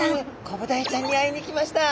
コブダイちゃんに会いに来ました。